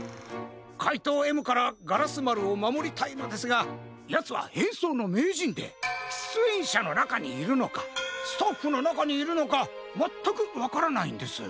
かいとうＭからガラスまるをまもりたいのですがやつはへんそうのめいじんでしゅつえんしゃのなかにいるのかスタッフのなかにいるのかまったくわからないんです。